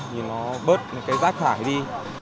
nhìn nó bớt cái rác thải đi